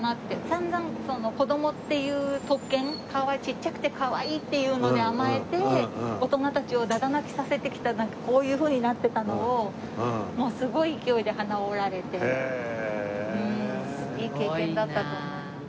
散々子供っていう特権ちっちゃくてかわいいっていうので甘えて大人たちをだだ泣きさせてきたなんかこういうふうになってたのをもうすごい勢いで鼻を折られていい経験だったと思います。